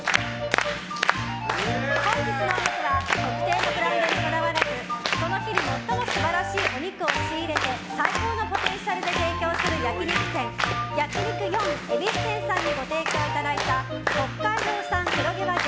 本日のお肉は特定のブランドにこだわらずその日に最も素晴らしいお肉を仕入れて最高のポテンシャルで提供する焼き肉店焼肉よいん恵比寿店さんにご提供いただいた北海道産黒毛和牛